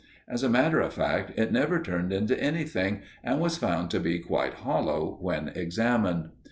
As a matter of fact, it never turned into anything, and was found to be quite hollow when examined.